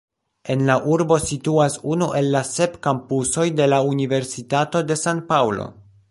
En la urbo situas unu el la sep kampusoj de la Universitato de San-Paŭlo.